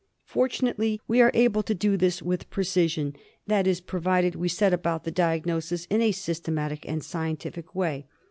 Fortunately, we are able to do this with precision; that is, provided we set about the diagnosis in a syste matic and scientific way.